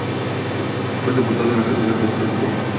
Fue sepultado en la catedral de St.